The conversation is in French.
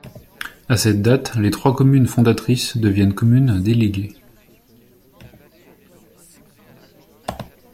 À cette date, les trois communes fondatrices deviennent communes déléguées.